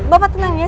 bapak tenang ya